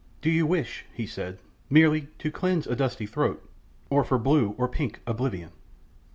"Do you wish," he said, "merely to cleanse a dusty throat, or for blue or pink oblivion?"